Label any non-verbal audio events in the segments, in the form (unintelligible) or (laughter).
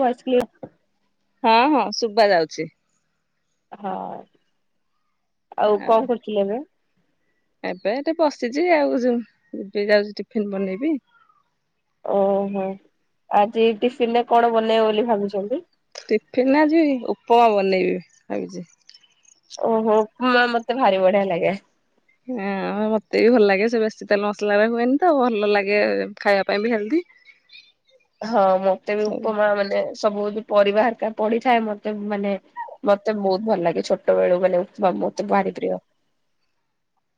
Voice clear. ହଁ ହଁ ଶୁଭାଯାଉଛି। ହ ଆଉ କଣ କରୁଥିଲ ଏବେ ଏବେ ଏଠେ ବସିଛି ଆଉ ଯିବି ଯାଉଛି ଟିଫିନ୍ ବନେଇବି। ଓହୋ ଆଜି ଟିଫିନ୍‌ରେ କଣ ବନେଇବ ବୋଲି ଭାବିଛନ୍ତି। ଟିଫିନ୍‌ନେ ଆଜି ଉପମା ବନେଇବି ଭାବିଚି। ଓହୋ ଉପମା ମୋତେ ଭାରି ବଢିଆ ଲାଗେ। ହଁ ମତେ ବି ଭଲ ଲାଗେ ସେ ବେଶୀ ତେଲ ମସଲାରେ ହୁଏନି ତ ଭଲ ଲାଗେ ଖାଇବା ପାଇଁ ବି ହେଲ୍ଦି। (inaudible) ହଁ ମତେ ବି ଉପମା ମାନେ ସବୁ ପରିବା ହେରିକା ପଡିିଥାଏ ମୋତେ ମାନେ ମୋତେ ବହୁତ ଭଲ ଲାଗେ ଛୋଟବେଳୁ ମାନେ ଉପମା ମୋତେ ଭାରି ପ୍ରିୟ। (inaudible)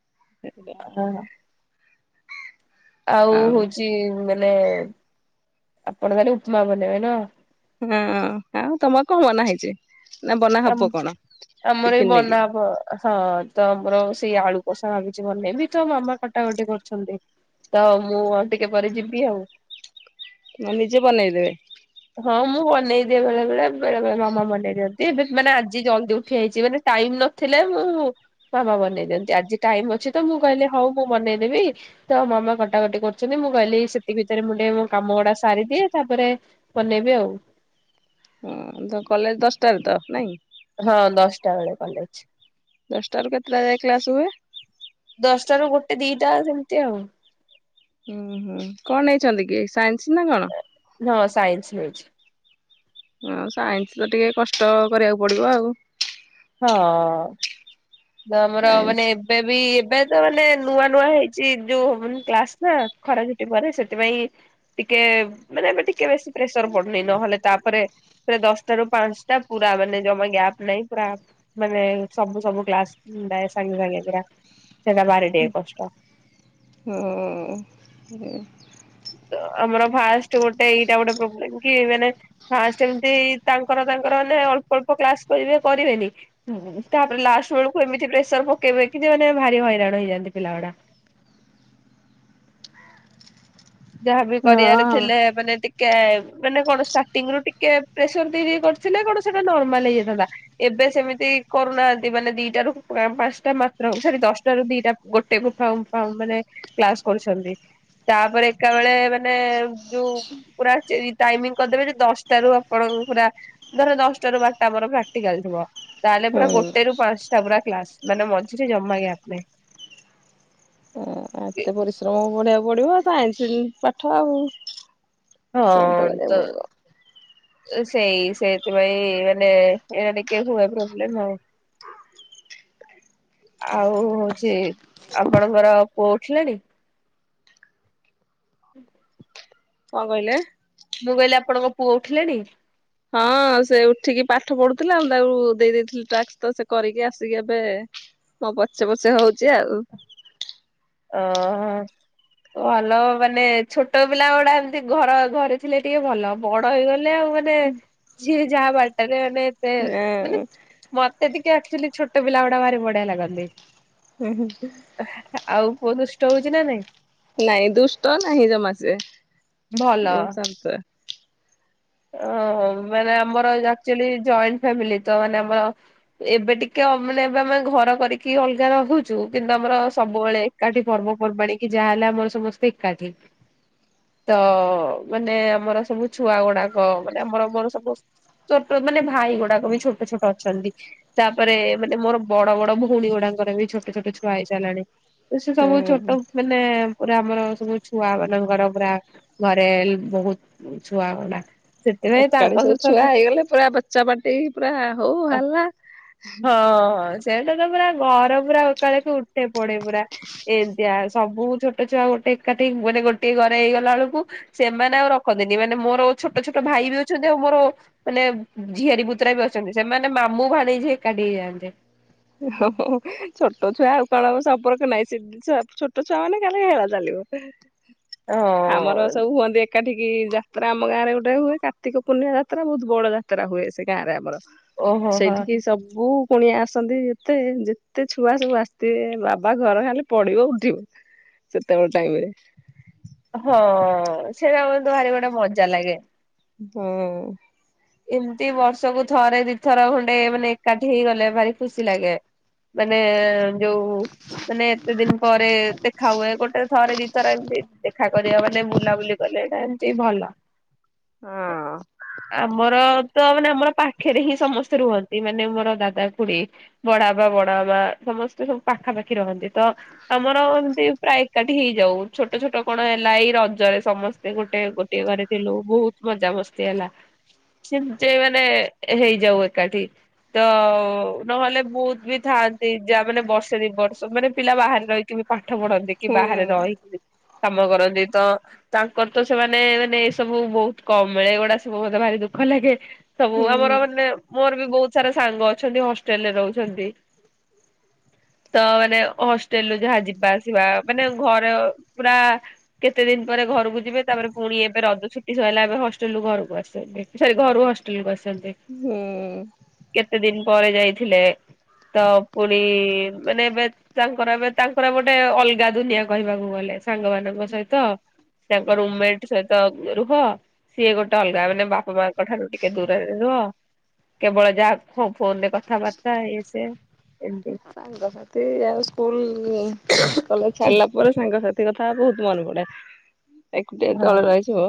ହଁ। ଆଉ ହଉଛି ମାନେ ଆପଣ ମାନେ ଉପମା ବନେଇବେ ନା। ହୁଁ ହୁଁ ତୁମକୁ ମନା ହେଇଛି। ନା ବନା ଆମ୍ ହବ କଣ ଆମର ବି ଟିଫିନ ନେଇକି ବନା ହବ। ହଁ ତ ଆମର ସେଇ ଆଳୁ କଷା ଭାଗିଛି ମନେଇବି ତ ମାମା କଟାକଟି କରୁଛନ୍ତି। ତ ମୁଁ ଟିକେ ପରେ ଯିବି ଆଉ। ନିଜେ ବନେଇ ଦେବେ। ହଁ ମୁଁ ବନେଇ ଦିଏ ବେଳେ ବେଳେ ବେଳେ ବେଳେ ମାମା ବନେଇ ଦିଅ ଏବେ ମାନେ ଆଜି ଜଲଦି ଉଠି ଆଇଛି ମାନେ ଟାଇମ୍ ନଥିଲେ ମୁଁ ମାମା ବନେଇ ଦିଅନ୍ତି ଆଜି ଟାଇମ୍ ଅଛି ତ ମୁଁ କହିଲି ହଉ ମୁଁ ବନେଇଦେବି ତ ମାମା କଟାକଟି କରୁଛନ୍ତି ମୁଁ କହିଲି ସେତିକ ଭିତରେ ମୁଁ ଟିକେ ମୋ କାମ ଗୁଡା ସାରିଦିଏ ତାପରେ ବନେଇବି ଆଉ। ହଁ ତ କଲେଜ ଦଶଟାଳୁ ତ ନାଇଁ। ହଁ ଦଶଟା ବେଳେ କଲେଜ ଛି। ଦଶଟାରୁ କେତେଟା ଯାଏ କ୍ଲାସ୍ ହୁଏ। ଦଶଟା ରୁ ଗୋଟେ ଦିଟା ସେମିତି ଆଉ। ହୁଁ ହୁଁ କଣ ନେଇଚନ୍ତି କି ସାଇନ୍ସ ନା କଣ। ହଁ ସାଇନ୍ସ ନେଇଛି। ହଁ ସାଇନ୍ସ ତ ଟିକେ କଷ୍ଟ କରିବାକୁ ପଡ଼ିବ ଆଉ। ହଁ ଆମର ମାନେ ସାଇନ୍ସ ଏବେ ବି ଏବେ ତ ମାନେ ନୂଆ ନୂଆ ହେଇଚି ଯୋଉ ମାନେ କ୍ଲାସ ନା ଖରା ଛୁଟି ପରେ ସେଥିପାଇଁ ଟିକେ ମାନେ ଏବେ ଟିକେ ବେଶୀ ପ୍ରେସର ପଡୁନି ନହେଲେ ତାପରେ ପୁରା ଦଶଟା ରୁ ପାଞ୍ଚଟା ପୁରା ମାନେ ଜମା ଗ୍ୟାପ ନାଇଁ ପୁରା ମାନେ ସବୁ ସବୁ କ୍ଲାସ ଡାୟ ସାଙ୍ଗେ ସାଙ୍ଗିଆ କିରା ସେଟା ବାରି ଦିଏ କଷ୍ଟ। ହୁଁ ହୁଁ। ତ ଆମର ଫାଷ୍ଟ ଗୋଟେ ଏଇଟା ଗୋଟେ ପ୍ରୋବ୍ଲେମ୍‌ କି ମାନେ ଫାଷ୍ଟ ଏମିତି ତାଙ୍କର ତାଙ୍କର ମାନେ ଅଳ୍ପ ଅଳ୍ପ କ୍ଲାସ କରିବେ କରିବେନି ହୁଁ ତାପରେ ଲାଷ୍ଟ ବେଳକୁ ଏମିତି ପ୍ରେସର ପକେଇବେ କି ଯେ ମାନେ ଭାରି ହଇରାଣ ହେଇଯାନ୍ତି ପିଲା ଉଡା। ଯାହାବି କରିବାର ହଁ। ଥିଲେ ମାନେ ଟିକ୍ କେ ମାନେ କଣ ଷ୍ଟାର୍ଟିଂ ରୁ ଟିକେ ପ୍ରେସର ରି କରିଥିଲେ କଣ ସେଟା ନର୍ମାଲ ହେଇଯାଇଥାନ୍ତା। ଏବେ ସେମିତି କରୁନାଆନ୍ତି ମାନେ ଦିଟାରୁ ପା-ପାଞ୍ଚଟା ମାତ୍ର ହଉ। ସରି ଦଶଟାରୁ ଦିଟା ଗୋଟେ ଗୁଫାଉଁ ଫାଉଁ ମାନେ କ୍ଲାସ କରୁଛନ୍ତି। ତାପରେ ଏକାବେଳେ ମାନେ ଯୋଉ ପୁରା ଚି ଟାଇମିଂ କରିଦେବେ ଯେ, ଦଶଟାରୁ ଆପଣଙ୍କୁ ପୁରା ଧର ଦଶଟାରୁ ବାରଟା ଆମର ପ୍ରାକ୍ଟିକାଲ ଥିବ ତାହେଲେ ପୁରା ହୁଁ ଗୋଟେରୁ ପାଞ୍ଚଟା ପୁରା କ୍ଲାସ, ମାନେ ମଝିରେ ଜମା ଗ୍ୟାପ୍ ନାହିଁ। ଆ ଏତେ ପରିଶ୍ରମ ବଢିବାକୁ ପଡିବ, ଆଉ ସାଇନ୍ସ ଯେନ୍ତି ପାଠ ଆଉ। ପରିଶ୍ରମ ହଁ, ତ କରିବାକୁ ପଡିବ ସେଇ ସେଇଥିପାଇଁ ମାନେ ଏଇଟା ଟିକେ ହୁଏ ପ୍ରୋବ୍ଲେମ ଆଉ। ହ (unintelligible) ଆଉ ହଉଛି, ଆପଣଙ୍କର ପୁଅ ଉଠିଲାଣି? (unintelligible) କଅଁ କହିଲେ? ମୁଁ କହିଲି ଆପଣଙ୍କ ପୁଅ ଉଠିଲାଣି? ହଁ, ସେ ଉଠିକି ପାଠ ପଢୁଥିଲା, ଆମେ ତାକୁ ଦେଇ ଦେଇଥିଲି ଟାସ୍କ ତ ସେ କରିକି ଆସିକି ଏବେ ମୋ ପଛେ ପଛେ ହଉଛି ଆଉ। ଓହୋ। ଭଲ ମାନେ ଛୋଟ ପିଲାଗୁଡା ଏମତି ଘର ଘରେ ଥିଲେ ଟିକେ ଭଲ। ବଡ ହେଇଗଲେ ଆଉ ମାନେ ଯିଏ ଯାହା ବାଟରେ ମାନେ ସେ ମାନେ ହଁ। ମତେ ଟିକେ ଆକ୍ଚୁଆଲି ଛୋଟପିଲା ଗୁଡା ଭାରି ବଢିଆ ଲାଗନ୍ତି। ହୁଁ-ହୁଁ-ହୁଁ। ଆଉ ପୁଅ ଦୁଷ୍ଟ ହଉଛି ନା ନାଇଁ? ନାଇଁ ଦୁଷ୍ଟ ନାହିଁ ଜମା ସିଏ, ବହୁତ ଶାନ୍ତ। ଅହ ମାନେ ଆମର ଆକ୍ଚୁଆଲି ଜଏଣ୍ଟ ଫ୍ୟାମିଲି, ତ ମାନେ ଆମର ଏବେ ଟିକେ ଅ ମାନେ ଏବେ ଆମେ ଘର କରିକି ଅଲଗା ରହୁଛୁ, କିନ୍ତୁ ଆମର ସବୁବେଳେ ଏକାଠି ପର୍ବପର୍ବାଣି, କି ଯାହା ହେଲେ ଆମ ସମସ୍ତେ ଏକାଠି। ତ ମାନେ ଆମର ସବୁ ଛୁଆଗୁଡାକ ମାନେ ଆମର ମୋର ସବୁ ଛୋଟ ମାନେ ଭାଇଗୁଡାକ ବି ଛୋଟ ଛୋଟ ଅଛନ୍ତି। ତାପରେ ମାନେ ମୋର ବଡ ବଡ ଭଉଣୀଗୁଡାଙ୍କର ବି ଛୋଟ ଛୋଟ ଛୁଆ ହେଇସାରିଲାଣି। ସେ ସବୁ ହୁଁ ଛୋଟ ମାନେ ପୁରା ଆମର ସବୁ ଛୁଆମାନଙ୍କର ପୁରା ଘରେଲ ବହୁତ ଛୁଆଗୁଡା। ଏକାଠି ସବୁ ଛୁଆ ହେଇଗଲେ, ପୁରା ବଚା ପାର୍ଟି ପୁରା ହଉ ହାଲା। ହଁ ସେଇଟା ତ ପୁରା ଘର ପୁରା ଉକାଳିକି ଉଠେ ପଡେ ପୁରା। ଏ ୟା, ସବୁ ଛୋଟଛୁଆ ଗୋଟେ ଏକାଠି ମାନେ ଗୋଟିଏ ଘରେ ହେଇଗଲା ବେଳକୁ ସେମାନେ ଆଉ ରଖନ୍ତିନି ମାନେ ମୋର ଛୋଟ ଛୋଟ ଭାଇ ବି ଅଛନ୍ତି ଆଉ ମୋର ମାନେ ଝିଆରୀ ପୁତୁରା ବି ଅଛନ୍ତି, ସେମାନେ ମାମୁଁ ଭାଣିଜୀ ଏକାଠି ହେଇଯାଆନ୍ତି। ହୋ ହୋ, ଛୋଟ ଛୁଆ ଆଉ କଣ ଆମ ସମ୍ପର୍କ ନାହିଁ, ସିଏ ଛୋ-ଛୋଟଛୁଆ ମାନେ ଖାଲି ଖେଳ ଚାଲିବ। ହଁ। ଆମର ସବୁ ହୁଅନ୍ତି ଏକାଠିକି ଯାତ୍ରା ଆମ ଗାଁରେ ଗୋଟେ ହୁଏ, କାର୍ତ୍ତିକ ପୂର୍ଣ୍ଣିମା ଯାତ୍ରା, ବହୁତ ବଡ ଯା ତ୍ରା ହୁଏ ସେ ଗାଁରେ ଆମର। ଓହୋ ହଁ ସେଇଠିକି ସବୁ କୁଣିଆ ଆସ ସନ୍ତି ଏତେ, ଯେତେ ଛୁଆ ସବୁ ଆସିଥିବେ, ବାବା ଘର ଖାଲେ ପଡିବ ଉଠିବ। ସେତେବେଳ ଟାଇମରେ। ହଁ, ସେଇଟା ମତେ ଭାରି ଗୋଟେ ମଜା ଲାଗେ। ହୁଁ। ଏମତି ବର୍ଷକୁ ଥରେ ଦିଥର ଖଣ୍ଡେ ମାନେ ଏକାଠି ହେଇଗଲେ, ଭାରି ଖୁସି ଲାଗେ। ମାନେ ଯୋଉ ମାନେ ଏତେ ଦିନ ପରେ ଦେଖା ହୁଏ, ଗୋଟେ ଥରେ ଦିଥର ଏମିତି ଦେଖା କରିବା ମାନେ ବୁଲାବୁଲି କଲେ ଏଇଟା ଏମତି ଭଲ। ହଁ। ଆମର ତ ମାନେ ଆମର ପାଖରେ ହିଁ ସମସ୍ତେ ରୁହନ୍ତି ମାନେ ମୋର ଦାଦା ଖୁଡି ବଡା ବାପା ବଡା ମା ସମସ୍ତେ ସବୁ ପାଖାପାଖି ରହନ୍ତି। ତ ଆମର ଏମିତି ପ୍ରାୟ ଏକାଠି ହେଇଯାଉ ଛୋଟ ଛୋଟ କଣ ହେଲା ଏଇ ରଜରେ ସମସ୍ତେ ଗୋଟେ ଗୋଟିଏ ଘରେ ଥିଲୁ ବହୁତ ମଜା ମସ୍ତି ହେଲା। ସିମ ଯେ ମାନେ ହେଇଯାଉ ଏକାଠି। ତ ନହେଲେ ବହୁତ ବି ଥାଆନ୍ତି ଯାହା ମାନେ ବର୍ଷେ ଦି ବର୍ଷ ମାନେ ପିଲା ବାହାରେ ରହିକି ବି ପାଠ ପଢନ୍ତି କି ହୁଁ ବାହାରେ ରହି କାମ କରନ୍ତି ତ ତାଙ୍କର ତ ସେମାନେ ମାନେ ଏ ସବୁ ବହୁତ କମ ମିଳେ ଏଗୁଡା ସବୁ ମତେ ଭାରି ଦୁଃ ଖ ଲାଗେ ସବୁ ହୁଁ ଆମର ମାନେ ମୋର ବି ବହୁତ ସାରା ସାଙ୍ଗ ଅଛନ୍ତି ହଷ୍ଟେଲରେ ରହୁଛନ୍ତି। ତ ମାନେ ହଷ୍ଟେଲ ରୁ ଯାହା ଯିବା ଆସିବା ମାନେ ଘରେ ପୁରା କେତେ ଦିନ ପରେ ଘରକୁ ଯିବେ ତାପରେ ପୁଣି ଏବେ ରଜ ଛୁଟି ସଇଲା ଏବେ ହଷ୍ଟେଲରୁୁ ଘରକୁ ଆସିବେ। ସରି ଘରୁ ହଷ୍ଟେଲକୁ ଆସନ୍ତି ହୁଁ। କେତେ ଦିନ ପରେ ଯାଇଥିଲେ। ତ ପୁଣି ମାନେ ଏବେ ତାଙ୍କର ଏବେ ତାଙ୍କର ଗୋଟେ ଅଲଗା ଦୁନିଆ କହିବାକୁ ଗଲେ ସାଙ୍ଗ ମାନଙ୍କ ସହିତ। ତାଙ୍କ ରୁମମେଟ ସହିତ ରୁହ ସିଏ ଗୋଟେ ଅଲଗା ମାନେ ବା ପା ମାଆଙ୍କଠାରୁ ଟିକେ ଦୂରରେ ରୁହ। କେବଳ ଯାହା ଫୋ ଫୋନ ରେ କଥାବାର୍ତ୍ତା ଇଏ ସେ। ସାଙ୍ଗସାଥି ଆଉ ସ୍କୁଲ କଲେଜ ଛଡ଼ିଲା ମୋର ସାଙ୍ଗସାଥି କଥା ବହୁତ ମନେ ପଡେ। ଏକୁଟିଆ ହଁ ଯେତେବେଳେ ରହିଯିବେ।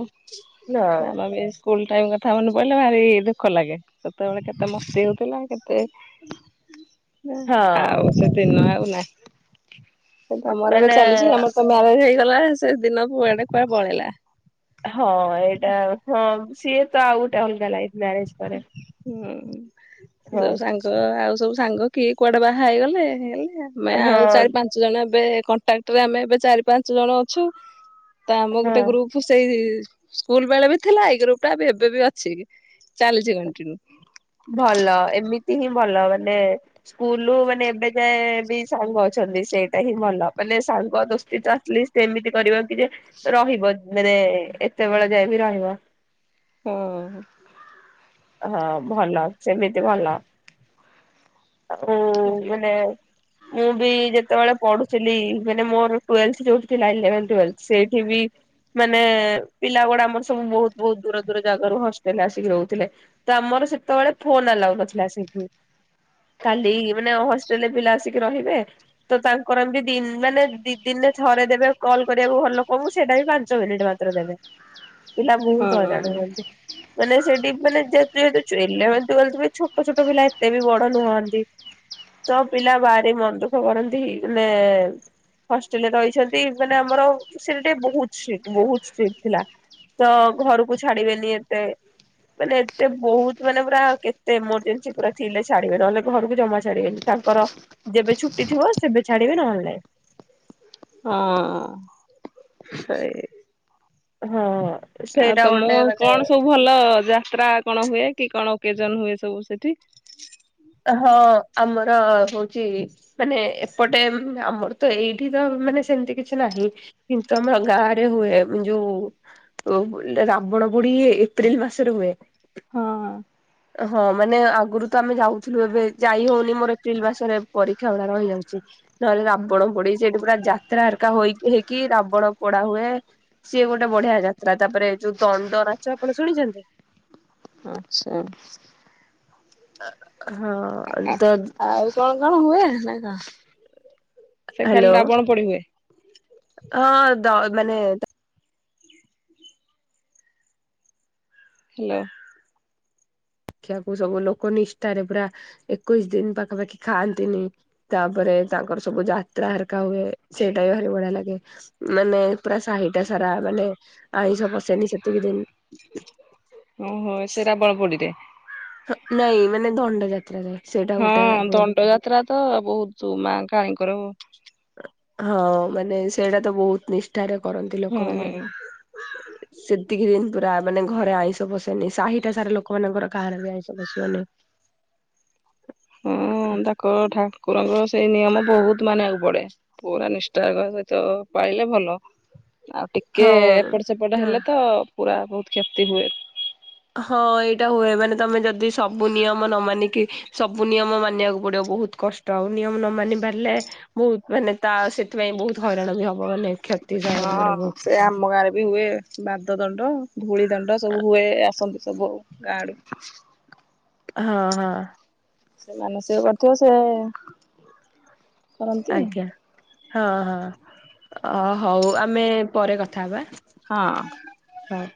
ନା (unintelligible) ସ୍କୁଲ ଟାଇମ୍ କଥା ମନେ ପଇଲେ ଭାରି ଦୁଃଖ ଲାଗେ। ସେତେବେଳେ କେତେ ମସ୍ତି ହେଉଥିଲା କେତେ ଦେ ହଁ। ସେଦିନ ଆଉ ନାହିଁ। ତମର ଏବେ ମାନେ ଚାଲିଛି ଆମର ସବୁ ମ୍ୟାରେଜ ହେଇଗଲା ସେ ଦିନ ପୁଆଡେ କୁଆଡେ ପଳେଇଲା। ହଁ ଏଇଟା ହଁ ସିଏ ତ ଆଉ ଗୋଟେ ଅଲଗା ଲାଇଫ ମ୍ୟାରେଜ। ପରେ ହୁଁ ହଁ ଯଉ ସାଙ୍ଗ ଆଉ ସବୁ ସାଙ୍ଗ କିଏ କୁଆଡେ ବାହା ହେଇଗଲେ ହେଇଗଲେ ଆମେ ହଁ ଆଉ ଚାରି ପାଞ୍ଚ ପାଞ୍ଚ ଜଣ ଏବେ କଣ୍ଟାକ୍ଟରେ ଆମେ ଏବେ ଚାରି ପାଞ୍ଚ ଜଣ ଅଛୁ ତ ଆମ ହଁ ଗୋଟେ ଗ୍ରୁପ ସେଇ ସ୍କୁଲ ବେଳେ ବି ଥିଲା ଏଇ ଗ୍ରୁପ ଟା ବି ଏବେ ବି ଅଛି। ଚାଲିଛି କଣ୍ଟିନ୍ୟୁ। ଭଲ ଏମିତି ହିଁ ଭଲ ମାନେ ସ୍କୁଲ ମାନେ ଏବେ ଯାଏ ବି ସାଙ୍ଗ ଅଛନ୍ତି। ସେଇଟା ହିଁ ଭଲ ମାନେ ସାଙ୍ଗ ଦୋସ୍ତି ତ ଆଟ୍ଲିଷ୍ଟ ସେମିତି କରିବ କି ଯେ ରହିବ ମାନେ ଏତେବେଳେ ଯାଏ ବି ରହିବ। ହଁ। ହଁ ଭଲ ସେମିତି ଭଲ। ହୁଁ ମାନେ ମୁଁ ବି ଯେତେବେଳେ ପଢୁଥିଲି ମାନେ ମୋର ଟୁଏଲ୍ଥ ଯୋଉ ଥିଲା ଇଲେଭେନ୍ ଟୁଏଲଥ ଥିଲା ସେଇଠି ବି ମାନେ ପିଲା ଗୁଡା ଆମର ସବୁ ବହୁତ ବହୁତ ଦୂର ଦୂର ଜାଗ ରୁ ହଷ୍ଟେଲରେ ଆସିକି ରହୁଥିଲେ। ତ ଆମର ସେତେବେଳେ ଫୋନ ଆଲାଉ ନଥିଲା ସେଇଠୁ। କାଲି ମାନେ ହଷ୍ଟେଲରେ ପିଲା ଆସିକି ରହିବେ। ତ ତାଙ୍କର ଏମିତି ଦ ମାନେ ଦି ଦିନରେ ଥରେ ଦେବେ କଲ୍ କରିବାକୁ ଘର ଲୋକଙ୍କୁ ସେଇଟା ବି ପାଞ୍ଚ ମିନିଟ୍ ମାତ୍ର ଦେବେ। କୁହୁଁ ପିଲା ବହୁତ ହଇରାଣ ହୁଅନ୍ତି ମାନେ ସେଠି ମାନେ ଯେହେତୁ ଇଲେଭେନ୍ ଟୁଏଲଥ ବି ଛୋଟ ଛୋଟ ପିଲା ଏତେ ବି ବଡ ନୁହଁନ୍ତି ତ ପିଲା ଭାରି ମନ ଦୁଃଖ କରନ୍ତି ମାନେ ହଷ୍ଟେଲରେ ରହିଛନ୍ତି ମାନେ ଆମର ସେଟା ଟିକେ ବହୁତ ସ୍ଟ୍ରିଟ୍ ବହୁତ ସ୍ଟ୍ରିକ୍ଟ୍ ଥିଲା। ତ ଘରକୁ ଛାଡିବେନି ଏତେ ମାନେ ଏତେ ବହୁତ ମାନେ ପୁରା କେତେ ଏମରଜେନ୍ସି ପୁରା ଥିଲେ ଛାଡିବେ ନହେଲେ ଘରକୁ ଜମା ଛାଡିବେନି ତାଙ୍କର ଯେବେ ଛୁଟି ଥିବ ସେବେ ଛାଡିବେ ନହେଲେ ନାଇ। ହଁ ସେଇ ହଁ। ଆଉ ସେଇଟା ତମ ଗୋଟେ ମାନେ କଣ ସବୁ ଭଲ ଯାତ୍ରା କଣ ହୁଏ କି କଣ ଓକେଜନ ହୁଏ ସବୁ ସେଠି? ହଁ ଆମର ହଉଚି ମାନେ ଏପଟେ ଆମର ତ ଏଇଠି ତ ମାନେ ସେମିତି କିଛି ନାହିଁ। କିନ୍ତୁ ଆମର ଗାଁରେ ହୁଏ ଯୋଉ ଓ ରାବଣ ପୋଡି ଏପ୍ରିଲ ମାସରେ ହୁଏ। ହଁହଁ। ହଁ ମାନେ ଆଗରୁ ତ ଆମେ ଯାଉଥିଲୁ ଏବେ ଯାଇ ହଉନି ମୋର ଏପ୍ରିଲ ମାସରେ ପରୀକ୍ଷା ଗୁଡ଼ା ରହିଯାଉଛି। ନହେଲେ ରାବଣ ପୋଡି ସେଠି ପୁରା ଯାତ୍ରା ଅରିକା ହୋଇ ହେଇକି ରାବଣ ପୋଡା ହୁଏ। ସିଏ ଗୋଟେ ବଢିଆ ଯାତ୍ରା ତାପରେ ଯୋଉ ଦଣ୍ଡ ନାଚ ଆପଣ ଶୁଣିଛନ୍ତି? ସେଲଭସ୍ ହଁ ତ ଆଉ କଣ କଣ ହୁଏ, ନା କଣ ସେ ଖାଲି ହ୍ୟାଲୋ ରାବଣ ପଡି ହୁଏ? ହଁ ଦ ମାନେ ହେଲୋ। ଦେଖିଆକୁ ସବୁ ଲୋକ ନିଷ୍ଠାରେ ପୁରା ଏକୋଇଶି ଦିନ୍ ପାଖାପାଖି ଖାଆନ୍ତିନି। ତାପରେ ତାଙ୍କର ସବୁ ଯାତ୍ରା ହେରିକା ହୁଏ ସେଇଟା ବି ଭାରି ବଢିଆ ଲାଗେ। ମାନେ ପୁରା ସାହି ଟା ସାରା ମାନେ ଆଇଁଷ ପସେନି ସେତିକି ଦିନ। ହଁ ସେ ରାବଣ ପୋଡିରେ? ନାଇଁ ମାନେ ଦଣ୍ଡ ଯାତ୍ରା ରେ। ହଁ ଦଣ୍ଡ ଯାତ୍ରା ତ ବହୁତ ମା କାଳିଙ୍କର। ହଁ ମାନେ ସେଇଟା ତ ବହୁତ ନିଷ୍ଠାରେ କରନ୍ତି ଲୋକମାନେ। (inaudible) ସେତିକି ଦିନ ପୁରା ମାନେ ଘରେ ଆଇଁଷ ପଶେନି, ସାହିଟା ସାରା ଲୋକମାନଙ୍କର କାହାର ବି ଆଇଁଷ ପସିବନି। ହଁ ତା କ ଠାକୁରଙ୍କର ସେଇ ନିୟମ ବହୁତ ମାନିବାକୁ ପଡେ। ପୁରା ନିଷ୍ଠାର ସହିତ ପାଇଲେ ଭଲ ଆ ଟିକେ ହଁ ଏପଟ ସେପଟ ହଁ ହେଲା ତ ପୁରା ବହୁତ କ୍ଷତି ହୁଏ। ହଁ ଏଇଟା ହୁଏ ମାନେ ତମେ ଯଦି ସବୁ ନିୟମ ନ ମାନିକି ସବୁ ନିୟମ ମାନିବାକୁ ପଡିବ ବହୁତ କଷ୍ଟ ଆଉ ନିୟମ ନ ମାନି ପାରିଲେ ବହୁତ ମାନେ ତା ସେଥିପାଇଁ ବହୁତ ହଇରାଣ ବି ହବ ମାନେ କ୍ଷତି ସହିବାକୁ ପଡେ ହଁ ବହୁତ। ସେ ଆମ ଗାଁରେ ବି ହୁଏ ପାଦ ଦଣ୍ଡ, ଧୂଳି ଦଣ୍ଡ ସବୁ ହୁଏ ଆସନ୍ତି ସବୁ ଆଉ। ଗାଡୁ ହଁ ହଁ। ସେମାନୋନ ସେ କରିଥିବ ସେ କରନ୍ତି ଆଜ୍ଞା ହଁ ହଁ ହଉ ଆମେ ପରେ କଥା ହବା। ହଁ। ହଁ।